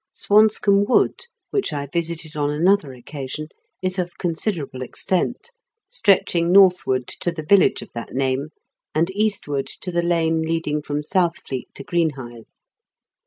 Swanscomb Wood, which I visited on another occasion, is of considerable extent, stretching northward to the village of that name, and eastward to the lane leading from Southfleet to Greenhithe.